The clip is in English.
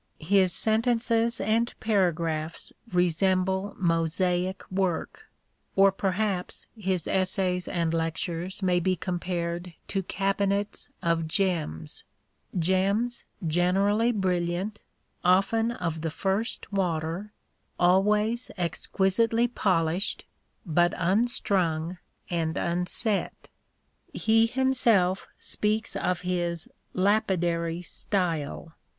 His sentences and paragraphs resemble mosaic work, or perhaps his essays and lectures may be compared to cabinets of gems— gems generally brilliant, often of the first water, always exquisitely polished, but unstrung and unset. He himself speaks of his " lapidary " style.